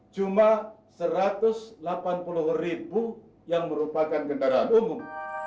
cuma satu ratus delapan puluh ribu yang merupakan kendaraan umum